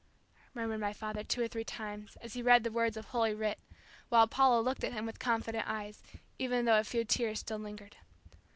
'" murmured my father two or three times, as he read the words of Holy Writ, while Paula looked at him with confident eyes, even though a few tears still lingered.